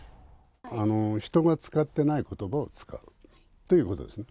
人が使ってないことばを使うということですね。